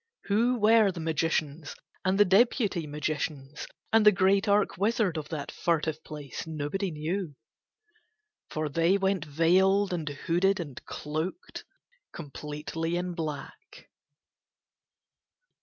Who were the magicians and the deputy magicians and the great arch wizard of that furtive place nobody knew, for they went veiled and hooded and cloaked completely in black.